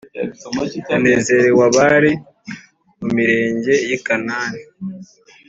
Hanezerew’ abari mu mirenge y’ i Kanani,